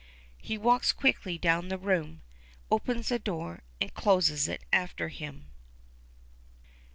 He walks quickly down the room, opens the door, and closes it after him.